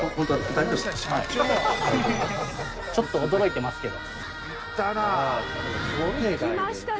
ちょっと驚いてますけど。